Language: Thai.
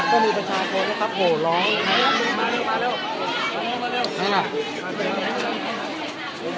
ก็มีตะชาโปนนะครับโหร้องมาเร็วมาเร็วนี่แหละ